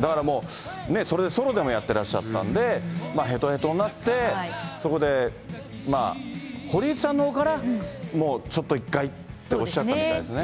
だからもう、ソロでもやってらっしゃったんで、へとへとになって、そこで堀内さんのほうからもうちょっと、一回っておっしゃったみたいですね。